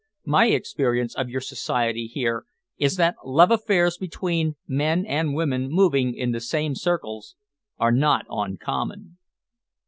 My experience of your Society here is that love affairs between men and women moving in the same circles are not uncommon."